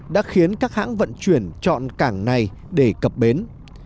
đã khiến các hãng vận chuyển chọn cảng này để cập bến